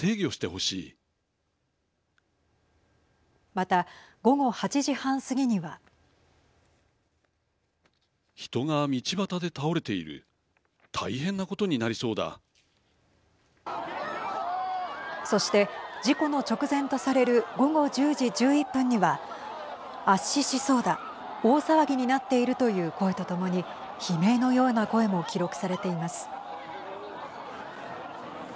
また午後８時半過ぎには。そして事故の直前とされる午後１０時１１分には圧死しそうだ、大騒ぎになっているという声とともに悲鳴のような声も記録されています。